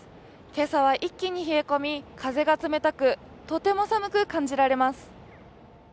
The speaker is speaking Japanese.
今朝は一気に冷え込み風が冷たくとても寒く感じられます。